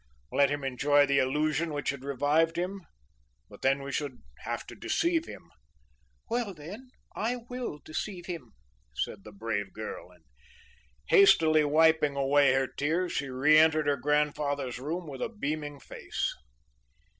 Let him enjoy the illusion which had revived him? But then we should have to deceive him."'Well, then, I will deceive him,' said the brave girl, and hastily wiping away her tears she reëntered her grandfather's room with a beaming face.